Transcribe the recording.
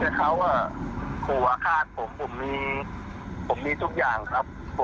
นี่แต่เขาอ่ะขู่อาฆาตผมผมมีผมมีทุกอย่างครับ